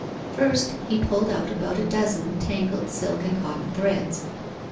First he pulled out about a dozen tangled silk and cotton threads.